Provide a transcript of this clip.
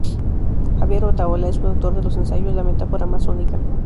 Javier Otaola es autor de los ensayos "La Metáfora masónica.